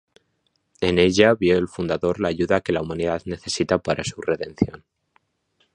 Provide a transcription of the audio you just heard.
En Ella vio el fundador la ayuda que la humanidad necesita para su redención.